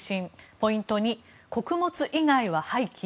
ポイント２、穀物以外は廃棄？